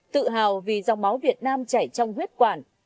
tự hào vì dòng máu việt nam chảy trong huyết quản